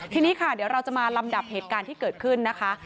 ทีนี้ค่ะเดี๋ยวเราจะมาลำดับเหตุการณ์ที่เกิดขึ้นนะคะ